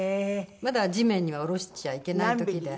まだ地面には下ろしちゃいけない時で。